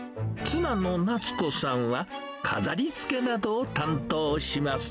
妻の夏子さんは飾りつけなどを担当します。